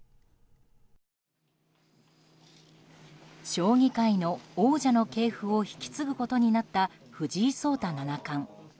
将棋界の王者の系譜を引き継ぐことになった藤井聡太七冠。